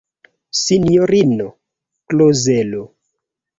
Sinjorino Klozelo!